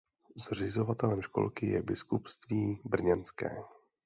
Zřizovatelem školky je Biskupství brněnské.